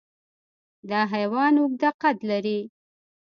دا حیوان اوږده قد لري.